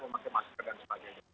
memakai masker dan sebagainya